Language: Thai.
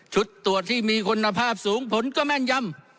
ตรวจที่มีคุณภาพสูงผลก็แม่นยำ